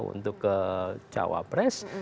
untuk ke cawapres